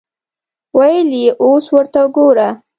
ویل یې اوس ورته ګوره.